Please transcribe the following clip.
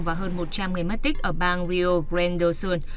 và hơn một trăm linh người mất tích ở bang rio grande do sul